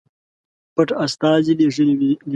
پټ استازي لېږلي دي.